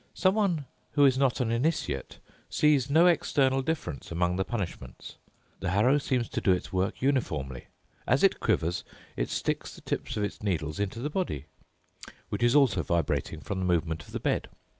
Someone who is not an initiate sees no external difference among the punishments. The harrow seems to do its work uniformly. As it quivers, it sticks the tips of its needles into the body, which is also vibrating from the movement of the bed.